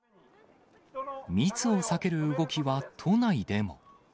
密を避ける動きは都内でも。